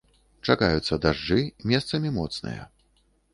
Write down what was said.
Чакаюцца дажджы, месцамі моцныя.